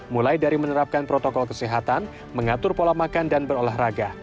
mulai dari menerapkan protokol kesehatan mengatur pola makan dan berolahraga